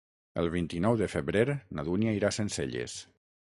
El vint-i-nou de febrer na Dúnia irà a Sencelles.